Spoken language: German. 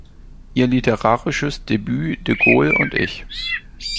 Ihr literarisches Debüt "De Gaulle und ich.